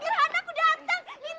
pak bondan sudah sehat